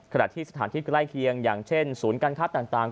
ขณะที่สถานที่ใกล้เคียงอย่างเช่นศูนย์การค้าต่าง